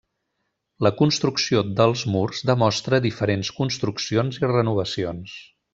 La construcció dels murs demostra diferents construccions i renovacions.